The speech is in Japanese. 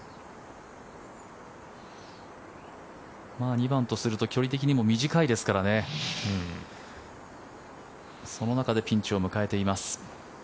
２番とすると距離的にも短いですからねその中でピンチを迎えています。